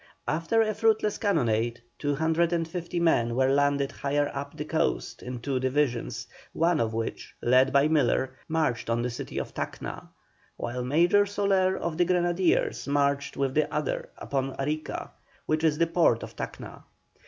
After a fruitless cannonade, 250 men were landed higher up the coast in two divisions, one of which, led by Miller, marched on the city of Tacna; while Major Soler of the grenadiers marched with the other upon Arica, which is the port of Tacna.